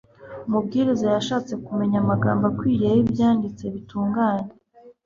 umubwiriza yashatse kumenya amagambo akwiriye y'ibyanditswe bitunganye